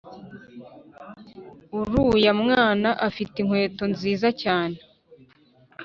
uruya mwana afite inkweto nziza cyane